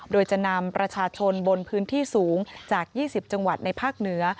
โดยจะนำประชาชนบนพื้นที่สูงจาก๒๐จังหวัดในภาคเหนือ